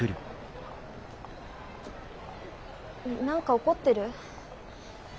何か怒ってる？